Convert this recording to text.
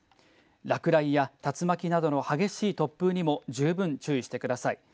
落雷や竜巻などの激しい突風にも十分注意してください。